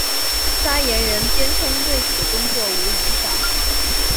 发言人坚称此对工作无影响。